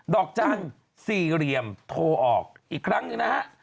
ดอกจันทร์๔เหลี่ยมโทรออกอีกครั้งนะฮะ